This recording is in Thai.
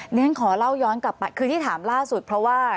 ฉันขอเล่าย้อนกลับไปคือที่ถามล่าสุดเพราะว่า